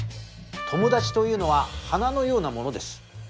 友達というのは花のようなものです。